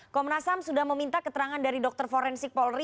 komnasam sudah meminta keterangan dari dr forensik polri